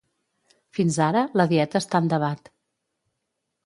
Fins ara, la dieta està en debat.